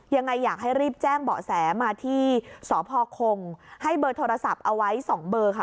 ยังไงอยากให้รีบแจ้งเบาะแสมาที่สพคงให้เบอร์โทรศัพท์เอาไว้๒เบอร์ค่ะ